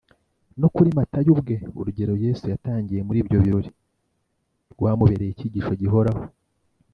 no kuri matayo ubwe, urugero yesu yatangiye muri ibyo birori rwamubereye icyigisho gihoraho